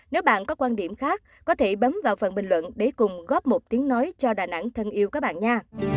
nếu bạn có quan điểm khác có thể bấm vào phần bình luận để cùng góp một tiếng nói cho đà nẵng thân yêu các bạn nha